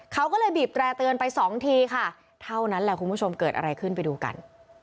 เขาก็เลยบีบแตร่เตือนไปสองทีค่ะเท่านั้นแหละคุณผู้ชมเกิดอะไรขึ้นไปดูกัน